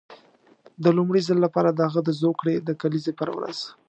د لومړي ځل لپاره د هغه د زوکړې د کلیزې پر ورځ.